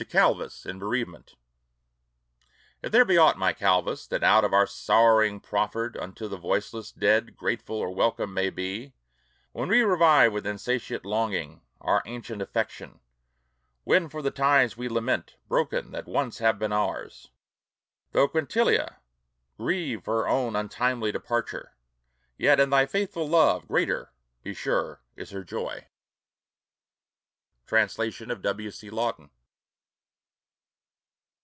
TO CALVUS IN BEREAVEMENT If there be aught, my Calvus, that out of our sorrowing proffered Unto the voiceless dead grateful or welcome may be, When we revive with insatiate longing our ancient affection, When for the ties we lament, broken, that once have been ours, Though Quintilia grieve for her own untimely departure, Yet in thy faithful love greater, be sure, is her joy. Translation of W. C. Lawton.